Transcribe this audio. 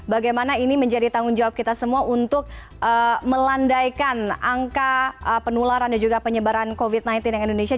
bagaimana ini menjadi tanggung jawab kita semua untuk melandaikan angka penularan dan juga penyebaran covid sembilan belas yang indonesia